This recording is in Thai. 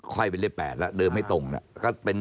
ค่อยเป็น๒๘ดิดเตอร์